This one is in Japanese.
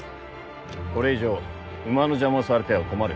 これ以上馬の邪魔をされては困る。